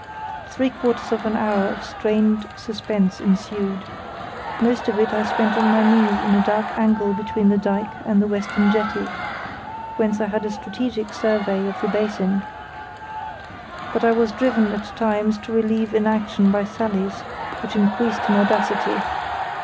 Three quarters of an hour of strained suspense ensued. Most of it I spent on my knees in a dark angle between the dyke and the western jetty, whence I had a strategic survey of the basin; but I was driven at times to relieve inaction by sallies which increased in audacity.